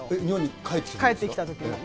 日本に帰ってきたとき？